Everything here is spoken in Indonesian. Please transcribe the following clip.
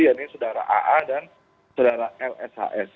yaitu saudara aa dan saudara lshs